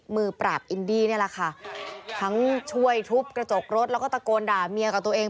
มือปราบอินดี้นี่แหละค่ะทั้งช่วยทุบกระจกรถแล้วก็ตะโกนด่าเมียกับตัวเอง